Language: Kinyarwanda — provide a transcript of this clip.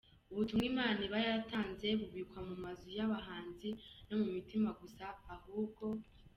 ubutumwa Imana iba yatanze bubikwa mu mazu yabahanzi no mu mitima gusa, ahubwo.